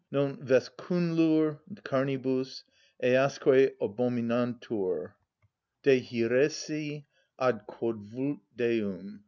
Non vescunlur carnibus, easque abominantur._" (_De hœresi ad quod vult Deum.